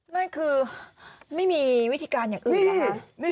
ไม่คือไม่มีวิธีการอย่างอื่นนะคะ